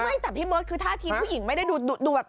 ไม่แต่พี่เบิร์ตคือท่าทีผู้หญิงไม่ได้ดูแบบ